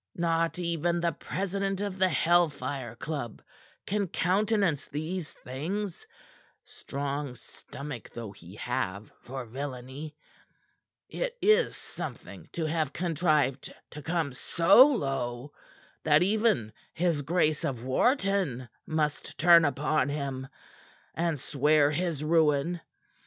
Not even the president of the Hell Fire Club can countenance these things, strong stomach though he have for villainy. It is something to have contrived to come so low that even his Grace of Wharton must turn upon him, and swear his ruin.